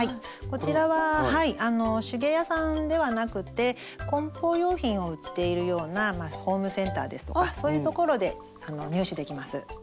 こちらは手芸屋さんではなくてこん包用品を売っているようなホームセンターですとかそういうところで入手できます。